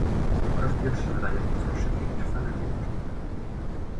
Po raz pierwszy wydajność rosła szybciej niż w Stanach Zjednoczonych